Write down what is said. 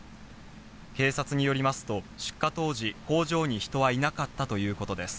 警察によりますと、出火当時、工場に人はいなかったということです。